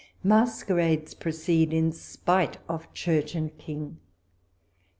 Masquerades proceed in spite of Church and King.